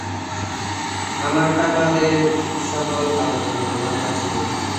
আমারটা বাদে সকল আলোচনা তোমার কাছে জরুরি।